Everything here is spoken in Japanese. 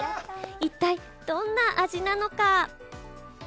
一体どんな味なのか？